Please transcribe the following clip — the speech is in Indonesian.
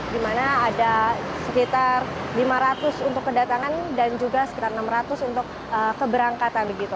dimana ada sekitar lima ratus untuk kedatangan dan juga sekitar enam ratus untuk keberangkatan